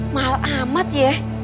mahal amat ya